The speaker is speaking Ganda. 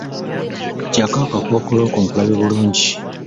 Ggyako akakookolo ko nkulabe bulungi.